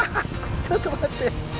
ちょっと待って。